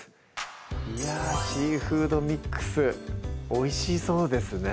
いやぁシーフードミックスおいしそうですね